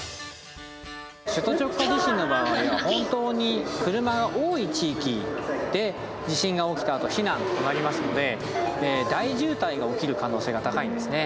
首都直下地震の場合は本当に車が多い地域で地震が起きたあと避難となりますので大渋滞が起きる可能性が高いんですね。